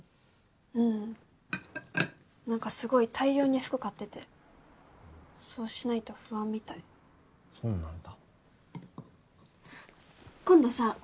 うん何かすごい大量に服買っててそうしないと不安みたいそうなんだ今度さ